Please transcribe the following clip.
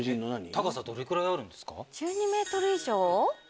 高さどれくらいあるんですか？